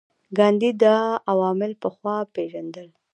ګاندي دا عوامل پخوا پېژندل.